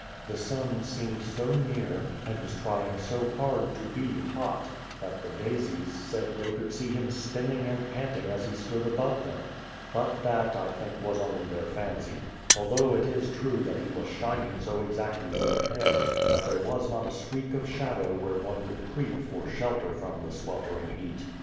The sun seemed so near, and was trying so hard to be hot, that the daisies said they could see him spinning and panting as he stood above them ; but that, I think, was only their fancy, although it is true that he was shining so exactly over head, that there was not a streak of shadow where one could creep for shelter from the sweltering heat.